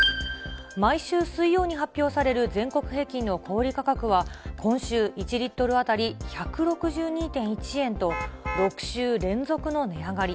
毎週水曜に発表される全国平均の小売り価格は今週、１リットル当たり１６２．１円と、６週連続の値上がり。